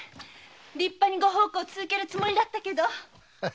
立派にご奉公を続けるつもりだったけど。